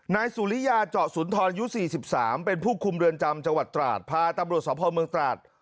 นายสูริยาเจาะศุลธรยุ๔๓เป็นผู้คลุมเดือนจำจัวราชพาตับรวจสอบภัตรเมืองตราช